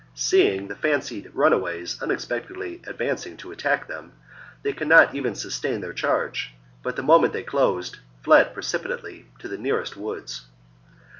Seeing the fancied runaways unexpectedly advancing to attack them, they could not even sustain their charge, but the moment they closed, fled precipi tately to the nearest woods.